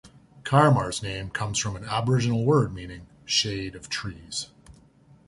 Carramar's name comes from an aboriginal word meaning "shade of trees".